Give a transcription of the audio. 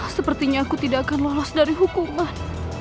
sepertinya aku tidak akan lolos dari hukuman